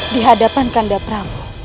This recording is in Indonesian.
di hadapan kanda prabu